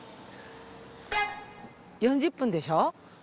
４０分でしょ？